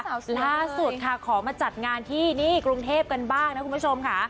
ล่าสุดค่ะขอมาจัดงานที่นี่กรุงเทพกันบ้างนะคุณผู้ชมค่ะ